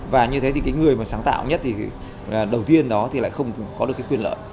và như thế thì cái người mà sáng tạo nhất thì đầu tiên đó thì lại không có được cái quyền lợi